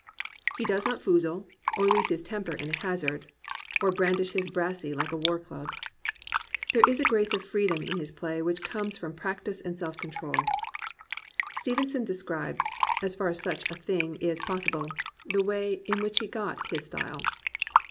He does not foozle, or lose his temper in a hazard, or brandish his brassy like a war club. There is a grace of freedom in his play which comes from practice and self control. Stevenson describes (as far as such a thing is possible) the way in which he got his style.